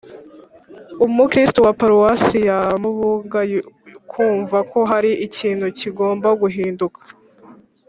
u mukristu wa paruwasi ya mubuga kumva ko hari ikintu kigomba guhinduka